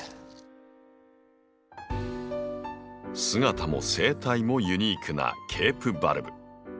姿も生態もユニークなケープバルブ。